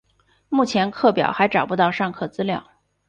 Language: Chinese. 目前课表还找不到上课资料